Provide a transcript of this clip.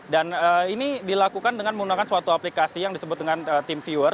dan ini dilakukan dengan menggunakan suatu aplikasi yang disebut dengan team viewer